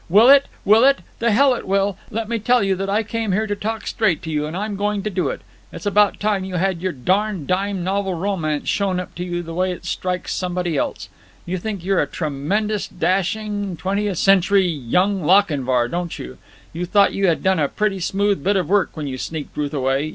"Will it? Will it? The hell it will. Let me tell you that I came here to talk straight to you, and I'm going to do it. It's about time you had your darned dime novel romance shown up to you the way it strikes somebody else. You think you're a tremendous dashing twentieth century Young Lochinvar, don't you? You thought you had done a pretty smooth bit of work when you sneaked Ruth away!